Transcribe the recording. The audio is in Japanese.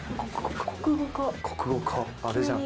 国語課あれじゃん。